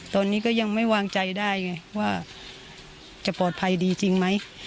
ตอนนี้ก็ยังไม่วางใจได้ไงว่าจะปลอดภัยดีจริงไหม